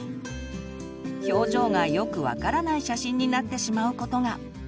表情がよく分からない写真になってしまうことが。